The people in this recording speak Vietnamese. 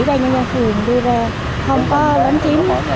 ủy ban nhân dân phường đi ra không có lớn chiếm